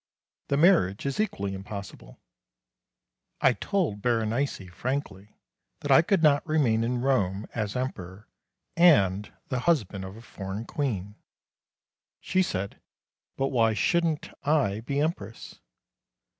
The marriage is equally impossible. I told Berenice frankly that I could not remain in Rome as Emperor and the husband of a foreign Queen. She said, "But why shouldn't I be Empress?"